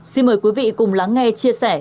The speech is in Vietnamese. xin mời quý vị cùng lắng nghe chia sẻ